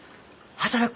働く！？